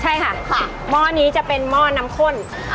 ใช่ค่ะหม้อนี้จะเป็นหม้อน้ำข้น